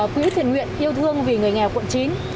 quỹ thiền nguyện yêu thương vì người nghèo quận chín